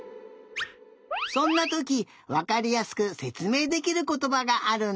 そんなときわかりやすくせつめいできることばがあるんだ。